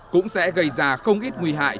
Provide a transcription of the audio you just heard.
cũng sẽ gây ra không ít nguy hại